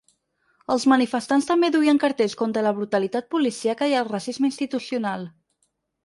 Els manifestants també duien cartells contra la brutalitat policíaca i el racisme institucional.